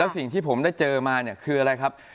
สิ่งที่ผมได้เจอมาเนี่ยคืออะไรครับ